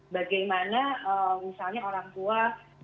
bagaimana misalnya orang tua